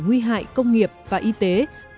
nguy hại công nghiệp và y tế